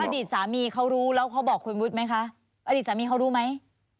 อดีตสามีเขารู้แล้วเขาบอกคุณวุฒิไหมคะอดีตสามีเขารู้ไหม